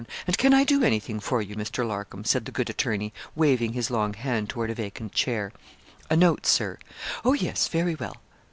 And can I do anything for you, Mr. Larcom?' said the good attorney, waving his long hand toward a vacant chair. 'A note, Sir.' 'Oh, yes; very well.'